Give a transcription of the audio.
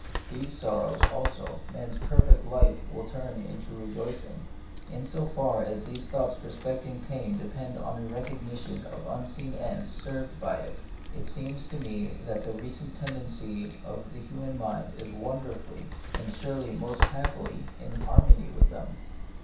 These sorrows, also, man's perfect life will turn into rejoicing. In so far as these thoughts respecting pain depend on a recognition of unseen ends served by it, it seems to me that the recent ten G 98 The Mystery of Pain. dency of the human mind is wonderfully, and surely most happily, in harmony with them.